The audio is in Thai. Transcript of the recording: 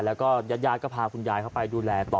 แล้วก็ญาติก็พาคุณยายเข้าไปดูแลต่อ